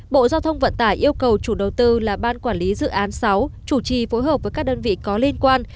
bộ giao thông vận tải yêu cầu chủ đầu tư là ban quản lý dự án sáu chủ trì phối hợp với các đơn vị có liên quan